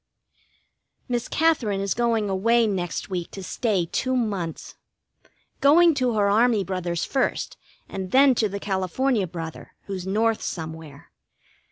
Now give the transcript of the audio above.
Miss Katherine is going away next week to stay two months. Going to her army brother's first, and then to the California brother, who's North somewhere.